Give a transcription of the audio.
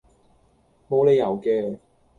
無理由既